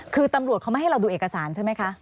คือตำรวจเขาไม่ให้เราดูเอกสารใช่ไหมคะ